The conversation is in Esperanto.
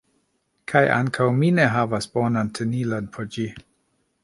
kaj ankaŭ mi ne havas bonan tenilon por ĝi.